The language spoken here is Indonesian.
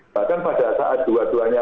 bahkan pada saat dua duanya